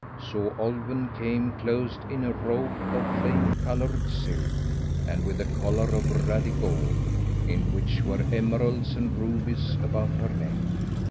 So Olwen came, clothed in a robe of flame coloured silk, and with a collar of ruddy gold, in which were emeralds and rubies, about her neck.